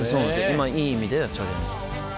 今いい意味でチャレンジ。